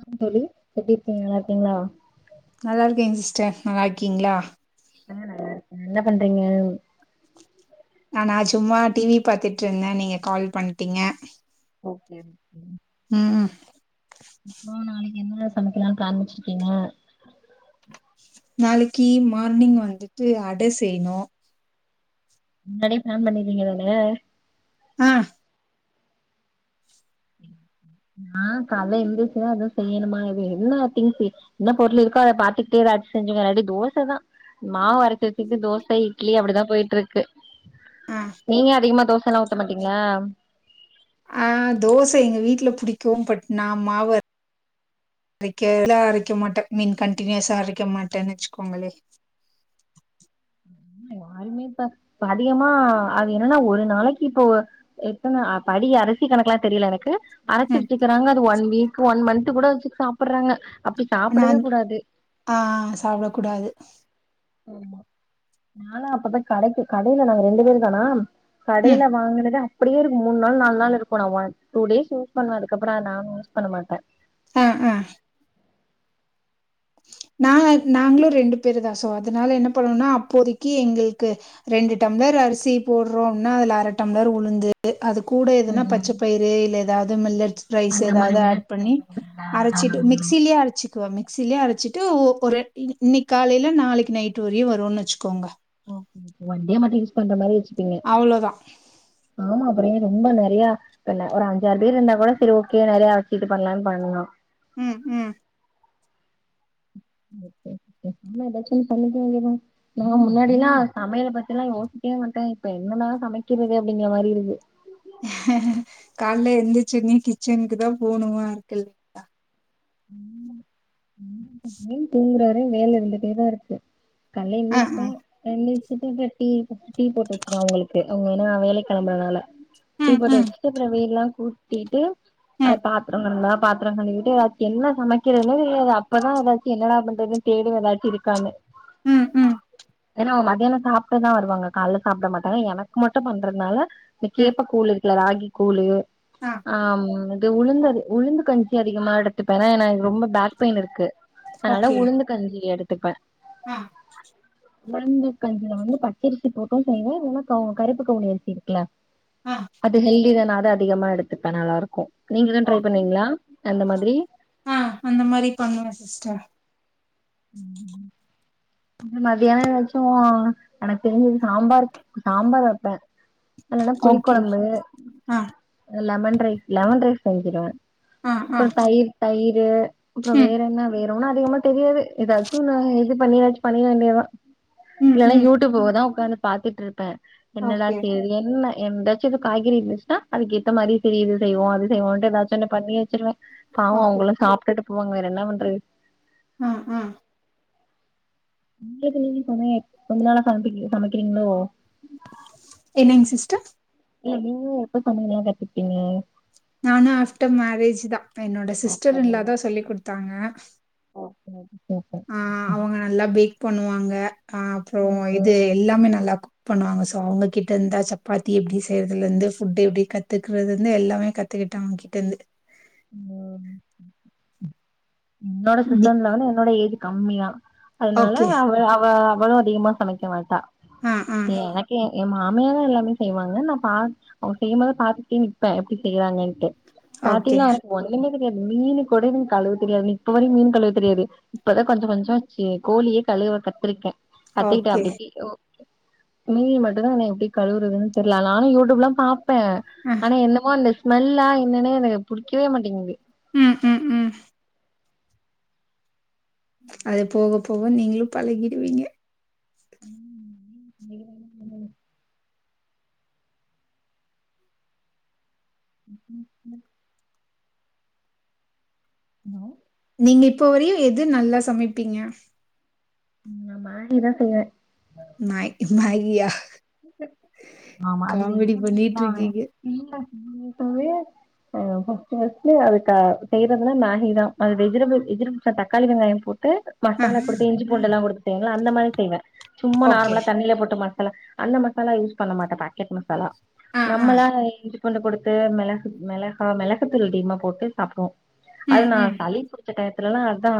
ஆம் தோழி எப்டிருக்கிங்க நல்லாருக்கிங்ளா நல்லாருக்கேங் சிஸ்டர் நல்லாருக்கிங்ளா ஆ நல்லாருக்கே என்ன பண்றிங்க நானா சும்மா டி வி பாத்துட்ருந்தே நீங்க கால் பண்ட்டிங்க ஓகே ஓகேங்க ம் அப்றோ நாளைக்கு என்னலா சமைக்கலானு ப்ளேன் வெச்சிருக்கிங்க நாளைக்கு மார்னிங் வந்துட்டு அட செய்ணு முன்னாடியே பிளான் பண்ணிருவிங்க தான ஆ உம் [inaudible] ஆ காலைல எந்திருச்சுதா எதுவு செய்யணுமா இது என்ன திங்ஸ் என்ன பொருள் இருக்கோ அத பாத்துகிட்டே வே செஞ்சோங்க இல்லாட்டி தோசதா மாவு அரச்சு வச்சுக்ட்டு தோச இட்லி அப்டிதா போயிட்ருக்கு ஆ நீங்க அதிகமா தோச எல்லா ஊத்த மாட்டிங்ளா ஆ தோச எங்க வீட்ல புடிக்கு பட் நா மாவு அரைக்கா லா அரைக்க மாட்டே ஐ மீன் கன்டின்யூஸா அரைக்க மாட்டேன் வச்சுக்கோங்களே உண்மையவா உண்மேதா ப்ப அதிகமா அது என்னனா ஒரு நாளைக்கு இப்போ எத்தன படி அரிசி கணக்கு லா தெரில எனக்கு அரைச்சி ம் வச்சிகறாங்க அது ஒன் வீக் ஒன் மன்த்து கூட வச்சி சாப்படறாங்க ஆனா அந் ஆ சாப்ட கூடாது ஆமா நாலா அப்பப்ப கடைக்கு கடைல நாங்க ரெண்டு பேரு தானா ம் கடையில வாங்குனத அப்டியே இருக்கு மூனு நாள் நாலு நாள் இருக்கு நா ஒன் டூ டேஸ் யூஸ் பண்ணுவ அதுக்கப்புற நானு யூஸ் பண்ண மாட்ட ம் ம் நாங்க நாங்ளு ரெண்டு பேரு தா சோ அதுனால என்ன பண்ணுவனா அப்போதைக்கி எங்ளுக்கு ரெ ரெண்டு டம்ளர் அரிசி போடறோம்னா அதுல அர டம்ளர் உளுந்து அது கூட ம் எதுனா ம் பச்ச பயிறு இல்ல எதாது மில்லட்ஸ் ரைஸ் அந்த மாரி எதாது ஆட் மில்லட்ஸ் ட்ரை பண்ணி பண்ணிருக்கீங்களா ஆ அரைச்சிட்டு மிக்சிலயே அரைச்சி க்வ மிக்சிலயே அரைச்சிட்டு ஒ ஒரு இன்னி இன்னைக் காலைல நாளைக் நைட்டு வரையு வருன் வச்சுக்கோங்க ஓகே ஓகே ஒண்டே மட்டு யூஸ் பண்ற மாரி வச்சுப்பிங்க அவ்ளோதான். ஆமா ஒரே ரொம்ப நறையா என்ன ஒரு அஞ்சாறு பேர் இருந்தா கோட செரி ஓகே நறைய அரைச்சு இது பண்லான் பண்லா ம் ம் ஓகே ஓகே ஆமா எதாச்சு ஒன்னு பண்ணிக்க வேண்டிதா நா முன்னாடிலா சமையல பத்திலா யோசிக் கவே மாட்ட இப்ப என்னடா சமைக்கிறது அப்டிங்ற மாரி இருக்கு கால்ல எந்திரிச்சொனி கிச்சன்க்கு தா போணுமா இருக்கில்லைங்ளா எப்டியு தூங்ற வர வேல இருந்துட்டே தா இருக்கு கால்ல அ, அ. எந்திரிப்பே எந் டிஃபன் கட்டி டீ போட்டு வச்சிருவ அவுங்களுக்கு அவுங்க ஏனா வேலைக் கெளம்பறனால டீ ம், போட்டு ம், வச்சுட்டு அப்புறம் வீடு எல்லாம் கூட்டிட்டு ம், பாத்திரம் கெடந்தா பாத்திரம் கழுவிட்டு என்ன சமைக்கிறதுதுன்னு தெரியாது அப்பதா எதாச்சும் என்னடா பண்றதுன்னு தேடுவ எதாச்சு இருக்காங்கன்னு ம் ம் அ மத்தியானம் சாப்பிட்டுதா வருவாங்க கால சாப்பிட மாட்டாங்கா எனக்கு மட்டு பண்றதுனால ம். கேப்ப கூழு இல்ல ராகி கூழு ஆ இது உளுந்து உளுந்து கஞ்சி அதிகமா எடுத் துப்பே ஏன்ன எனக்கு ரொம்ப பேக் பெயின் இருக்கு அனால ஓகே. உளுந்து கஞ்சி எடுத்துப்பே ஆ, உளுந்து கஞ்சில வந்து பச்சரிசி போட்டும் செய்வே இல்லனா கருப்பு கவுளி அரிசி இருக்குல்ல ஆ, அது ஹெல்திததால அதிகமா எடுத்துப்பே நல்லா இருக்கும் நீங்களு ட்ரை ஓகே. பண்ணுவீங்களா அந்த மாதிரி ஆ அந்த மாரி பண்ணுவே சிஸ்டர் ம்ம் மத்தியான எதாச்சு எனக்கு தெரிஞ்சது சாம்பார் சாம்பார் வப்பே அதுனால புளி ஓகே குழம்பு ஆ லெமன் ரைஸ் லெமன் ரைஸ் செஞ்சிருவ ஆ ஆ அப்புற தயிர் தயிரு அக்கா ம் வேற என்ன வேற ஒன்னு அதிகமா தெரியாது எதாச்சு ஒன்னு இது பண்ணி அது பண்ணிட வேண்டியதுதா ம் இல்லன்னா ம் யூடியூப்பதா உக்காந்து பாத்துட்ருப்பே என்னல்லா ஓகே செய்றது என்ன எந்தாச்சு இது காய்கறி இருந்துச்சுன்னா அதுக்கு ஏத்த மாதிரி சரி இது செய்வோ அது செய்வோம்ன்ட்டு ஏதாச்சும் ஒன்னு பண்ணி வச்சிருவ பாவம் ஓகே அவங்களும் சாப்புட்டுட்டு போவாங்க வேற என்ன பண்றது ம் ம் உங்களுக்கு நீ சமையல் கொஞ்ச நாளா சமை சமைக்கிறீங்களோ என்னங்க சிஸ்டர் இல்ல நீங்கல்லா எப்ப சமயல்லா கத்துப்பீங்க நானு ஆஃப்டர் மேரேஜ் தா என்னோட ஓகே சிஸ்டர் இன்லாதா சொல்லிக்குடுத்தாங்க உ [unintelligible] ஆ அவங்க நல்லா பேக் பண்ணுவாங்க அப்புற இது ம் எல்லாமே நல்லாக்கு பண்ணுவாங்க சோ அவங்ககிட்ட இருந்தா சப்பாத்தி எப்டி செய்யறதுல இருந்து ஃபுட் எப்டி கத்துக்கறதுல இருந்து எல்லாமே கத்து கிட்ட அவகிட்டருந்து என்னோட சிஸ்டர் ன் லா என்னோட ஏஜ் கம்மியா அதனால ஓகே அவ அவ அவளும் அதிகமா சமைக்க மாட்டா ஆ ஆ ஏ எனக்கே எ மாமியாரு தா எல்லாமே செய்வாங்க நா பார்த் அவுங்க செய்யும்போத பாத்துட்டே நிப்பே எப்டி செய்யறாங்கன் ட்டு ஓகே ஸ்டார்டிங்ள எனக்கு ஒண்ணுமே தெரியாது மீனு கூட எனக்கழுவத் தெரியாது இப்ப வரையும் மீன் கழுவ தெரியாது இப்பதா கொஞ்ச கொஞ்ச கோழியே கழுவ கத்திருக்கே அத்தைக்கிட்ட ஓகே அப்படி இப்படி ஓ மீனு மட்டு தா இன்னு எப்படி கழுவுறதுன்னு தெரியல நானும் யூடியூப் எல்லா பாப் பே ஆ ஆனா என்னமோ அந்த ஸ்மெல்லா என்னன்னு எனக்கு புடிக்கவே மாட்டிங்குது ம் ம் ம் அது போக போக நீங்களும் பழகிடுவீங்க ம் [inaudible] [inaudible] ஹலோ நீங்க இப்போ வரையு எது நல்லா சமப்பீங்க நா மேஹி தா செய்வே மேக் மேகியா? ஆமா அது [inaudible] காமெடி பண்ணிட்டுருக்கீங்க. மாட்டவே அ ஃபர்ஸ்ட் ஃபர்ஸ்ட் அதுக்கு செய்றதுல்ல மாகி தா அது வெஜிடபிள் வெஜிடபிள் தக்காளி வெங்காயம் போட் டு ஆ, மசாலா கொடுத்து இஞ்சி பூண்டு எல்லா கொடுத்துங்கள அந்த மாரி செய்வே சும்மா ஓகே. நார்மலா தண்ணியில போட்டு மசாலா அந்த மசாலா யூஸ் பண்ண மாட்டே பாக்கெட் மசாலா ஆ, ஆ. நம்மளா இஞ்சி பூண்டு கொடுத்து மிளகு மிளகா மிளகு தூள் அதிகமா போட்டு சாப்புடுவோம் அது ம், நா ம். சளி புடிச்ச டை அதலல்லாம் அதா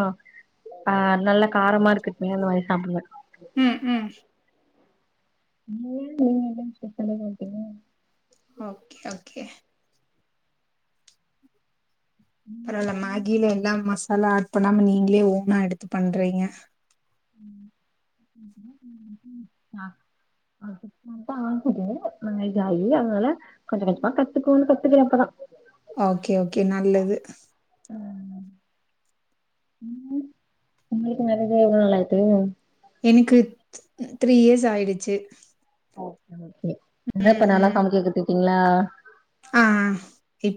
ஆ நல்ல காரமா இருக்கட்னி அந்த மாரி சாப்பிடுவே ம் ம் நீங்க நீங்க என்ன விஷேஷலா போவிங்க ஓகே ஓகே பரவால ம் மேகில எல்லா மசாலா ஆட் பண்ணாம நீங்களே ஓனா எடுத்து பண்றீங்க ஆ [inaudible] அதனால கொஞ்ச கொஞ்சமா கத்துக்கோன் கத்துக்குற இப்பதா ஓகே ஓகே நல்லது உங்குளுக் மேரேஜாயி எவ்ளோ நாளியிட்டு எனக்குத் த்ரீ இயர்ஸ் ஆயிடுச்சு ப இந்த இப்ப ம், நல்லா ம். சமைக்க கத்துட்டீங்களா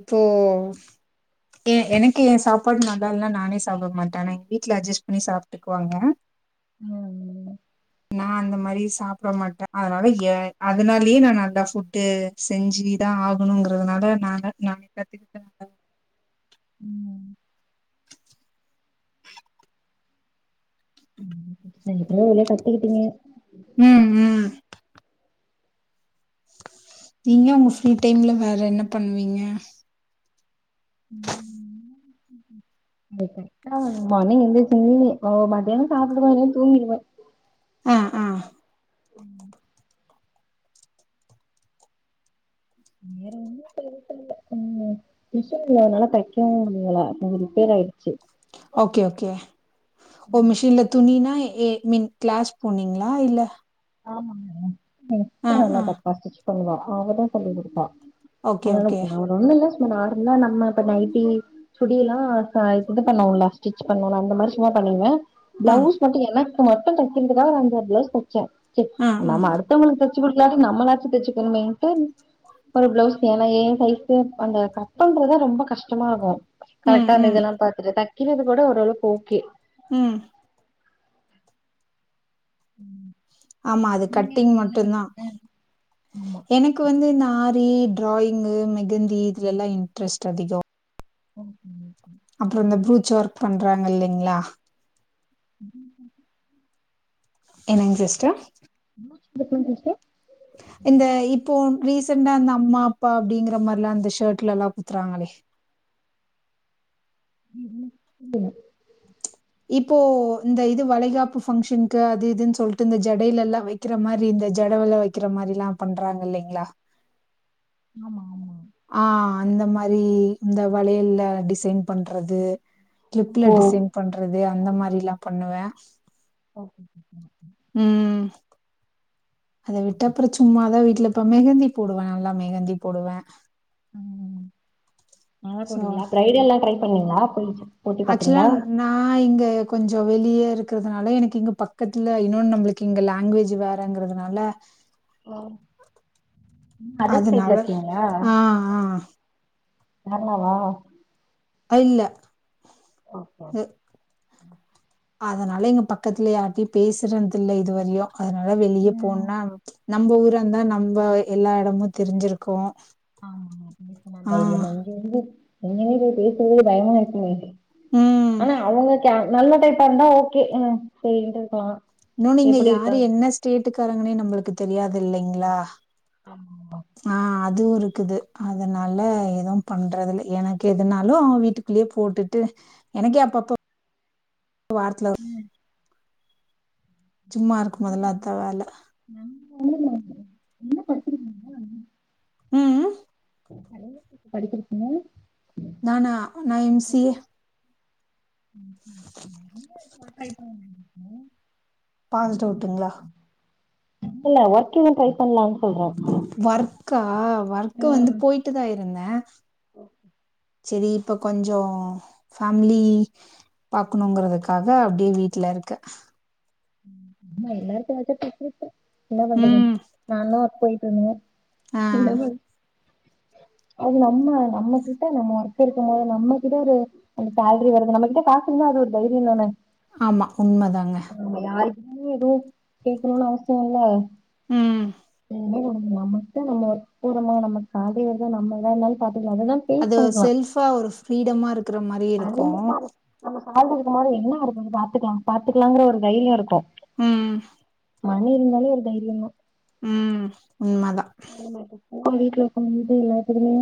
டோஃப் ஏ எனக்கு ஏ சாப்பாடு நல்லா இல்னா நானே சாப்ட மாட்டே ஆனா எங் வீட்ல அஜஸ் பண்ணி சாப்ட்டுக்குவாங்க ம் ம் ம் நா அந்த மாதிரி சாப்ட மாட்டே அதனால ஏ அதனாலயே நா நல்லா ஃபுட்டு செஞ்சிதா ஆகூங்கிறதுனால நான நானெ கத்துக்கிட்டே ம் ம் எப்டியோரு வழியா கத்துக்கிட்டீங்க ம் ம் நீங்க உங்க ஃப்ரீ டைம்ல வேற என்ன பண்வீங்க இந்த பெட்டார்ந்தாலே [unintelligible] ஓ மத்தியானோ சாப்டுவாங்க தூங்கிடுவே ஆ ஆ ம் வேறொன்னு பெருசால்ல ம் மிஷின்ல என்னால தெக்கவு முடில கொஞ்சோ ரிப்பேர் ஆயிடுச்சு ஓகே ஓகே ஓ மிஷின்ல துணினா எ ஏ மீன் க்ளாஸ் போனீங்களா இல்ல ஆமாங்க எ ஆ சிஸ்டர் நல்லா ஆ தப்பா ஸ்டிச் பண்ணுவா அவதா சொல்லி குடுப்பா ஓகே ஓகே அவளப் அவ உண்மைல நார்மலா நம்ம இப்ப நைட்டி சுடியெல்லா ப இது பண்ணோல ஸ்டிச் பண்ண அந்த மாிரி சும்மா பண்ணுங்க ஆ பிளவுஸ் மட்டு எனக்கு மட்டு தெக்கிறதுக்கா அந்த பிளவுஸ் தச்சே செ ஆ ஆ நாம அடுத்தவுங்குளுக்கு சு குடுக்கலாட்டி நம்மளாச்ச தெச்சுக்குணுமேன்ட்டு ஒரு பிளவுஸ் ஏனா ஏ சைஸ்கு அந்த கட் பண்றதா ரொம்ப கஷ்டமார்க்கூ ம் கரெக்டா அந்த ம் இதெல்லா பாத்துட்டு தக்கிறது கூட ஓரளவுக் ஓகே ம் ம் ஆமா அது கட்டிங் மட்டுந்தா ஆமா எனக்கு வந்து இந்த ஆர் ரி ட்ராயிங்கு மெகந்தி இதுலல்லா இன்ட்ரெஸ்ட் அதிகோ ம் ம் அப்றோ இந்த ப்ரூச் ஒர்க் பண்றாங்க இல்லிங்ளா [inaudible] என்னுங் சிஸ்டர் சும்மா சும்மா கை வெச்டா இந்த இப்போ ரீசென்டா இந்த அம்மா அப்பா அப்டிங்கிற மாரிலா இந்த ஷர்ட்லலா குத்துறாங்களே [inaudible] இப்போ இந்த இது வளைகாப்பு ஃபங்க்ஷன்கு அது இதுன் சொல்ட்டு இந்த ஜடையில எல்லா வக்கிற மாரி இந்த ஜடவுல வெக்கிற மாரி எல்லா பண்றாங்க இல்லைங்ளா ஆமா ஆமா ஆ அந்த மாரி இந்த வளையல்ல டிசைன் பண்றது க்ளிப்ல ஓ டிசைன் பண்றது அந்த மாரில்லா பண்ணுவே ஓகே உம் அத விட்டப்புறம் சும்மாதான் வீட்ல இப்ப மெஹந்தி போடுவே நல்லா மெஹந்தி போடுவே ஆ போடுவிங்களா ப்ரைடல்லாம் ட்ரை பண்ணுவீங்களா போயி அக்ச்சுவலா நா இங்க கொஞ்சம் சோ வெளிய இருக்குறதுனால எனக்கு இங்க பக்கத்துல இன்னொன்னு நம்மளுக்கு இங்க லாங்குவேஜ் வேறங்குறதுனால அதர் ஸ்டேட்ல அதுனால இருக்கீங்களா ஆஹ் ஆஹ் கேரளாவா ஆஹ் இல்ல அ [unintelligible] அதனால இங்க பக்கத்துல யார்ட்டயும் பேசுறது இல்ல இதுவரையும் அதனால வெளியே ம் போணுணா நம்ம ஊரா இருந்தா நம்ம எல்லா எடமும் தெரிஞ்சிருக்கும் ஆமா சொன்ன ஆ. தைரியம் தா இங்க வந்து எங்கே போய்ட்டு வர்றதே பயமா இருக்கு ம். ஆனா அவுங்க கே நல்ல டைப்பா இருந்தா ஓகே செரின்ட்டு இருக்கலாம் இன்னோன்னு இங்க யாரு என்ன ஸ்டேட்டுக்காரங்கன்னே நம்மளுக்கு தெரியாது இல்லிங்களா ஆமா ஆமா அதுவும் இருக்குது அதனால எதுவும் பண்றதுல்ல எனக்கு எதுனாலும் அவன் வீட்டுக்குள்ளேயே போட்டுட்டு எனக்கே அப்பப்ப வாரத்துல ஒ சும்மா இருக்கும் போதெல்லாம் அதான் வேல [unintelligible] என்ன படிச்சிருக்கீங்க உம் உம் [unintelligible] படிச்சிருக்கீங்க நானா நா எம்சிஏ [unintelligible] பாஸ் டவுட்டுங்களா இப்ப இல்ல ஒர்க் இன்னும் ட்ரை பண்ணலாம் ஒர்க்கா ஒர்க்கு வந்து போயிட்டுதான் இருந்தேன் ஓகே சேரி இப்ப கொஞ்சம் ஃபேமிலி பாக்கணுங்கறதுக்காக அப்டியே வீட்ல இருக்க ஆமா எல்லாருக்கும் ஏதாச்சா [unintelligible] என்ன பண்றது நானும் ஒர்க் போயிட்டு இருந்தே என்ன ஆஹ் பண்றது அது நம்ம நம்ம கிட்ட நம்ம ஒர்க் இருக்கும் போது நம்ம கிட்ட ஒரு அந்த சேல்ரி வருது நம்மகிட்ட காசு இல்ல அது ஒரு தைரியம் தானே ஆமா உண்ம தாங்க யாருக்கும் எதுவும் கேக்கணும்னு அவசியம் இல்ல ம் நம்மகிட்ட நம்ம ஒர்க் போறோமா நமக்கு சேல்ரி வருதா நம்ம எதா இருந்தாலும் பாத் அது செல்ஃபா ஒரு ஃப்ரீடமா இருக்கிற மாரி இருக்கும் அவுங்க இருக்கும் போது என்ன இருக்கு பாத்துக்கலாம் பாத்துக்கலாங்குற ஒரு தைரியம் இருக்கும் உம் மணி இருந்தாலே ஒரு தைரியம் தான் உம் உங்களுக்கு இப்ப வீட்ல இருக்கும் போது எல்லாத்துக்குமே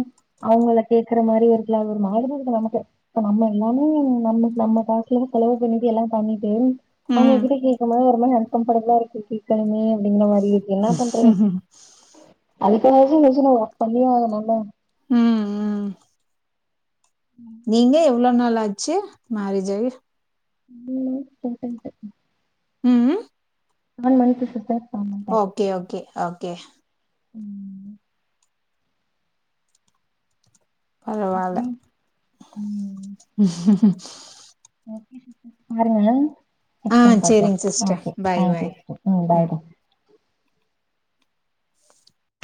அவுங்கள கேக்குற மாரி இருக்குல ஒரு மாதிரியா இருக்கு நமக்கே இப்போ நம்ம எல்லாமே நம்ம நம்ம காசுல செலவு பண்ணிட்டு எல்லாம் பண்ணிட்டு ம் அவுங்ககிட்ட கேக்கனு இருந்தா அன்கம்ஃபர்ட்டபிலா இருக்கு கேக்கணுமே அப்டிங்கிற மாரி இருக்கு என்ன பண்றது ம் அதுக்காகவாச்சு மிஷின ஒர்க் பண்ணியே ஆகனுல்ல ம் நீங்க எவ்ளோ நாள் ஆச்சி மேரேஜ் ஆகி ம் போன்டட்டு உம்ம் இது மாரி [unintelligible] ஓகே ஓகே ஓகே உம் பரவால்ல அப்புறம், ம் ஓகே [unintelligible] பாருங்க ஆ நெக்ஸ்ட் டைம் பாக்கலா சரிங்க ஆ sister. Okay bye okay bye. Okay உம் ம். பாய் பாய்